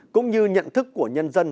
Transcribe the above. cũng như nhận thức của nhân dân